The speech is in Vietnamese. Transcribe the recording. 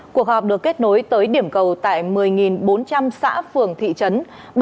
cuộc họp được kết nối tới điểm cầu tại một mươi bốn trăm linh xã phường thị trấn